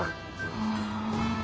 ああ。